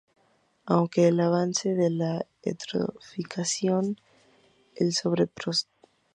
Aunque el avance de la eutrofización y el sobrepastoreo amenazan seriamente su supervivencia.